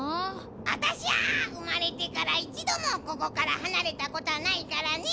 あたしゃうまれてからいちどもここからはなれたことはないからね。